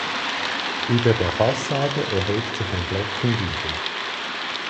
Über der Fassade erhebt sich ein Glockengiebel.